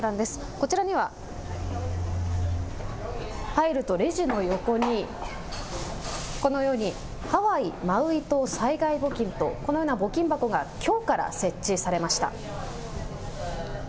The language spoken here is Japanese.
こちらには入るとレジの横にこのようにハワイ・マウイ島災害募金とこのような募金箱がきょうから設置されました。